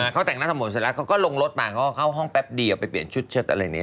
เขาก็ลงรถมาเขาเข้าห้องแป๊บดีเอาไปเปลี่ยนชุดเช็ดอะไรนี้